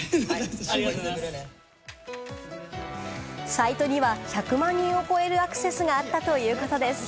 サイトには１００万人を超えるアクセスがあったということです。